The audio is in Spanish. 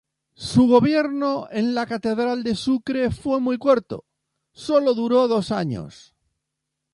Su gobierno en la catedral de Sucre fue muy corto, sólo duró dos años.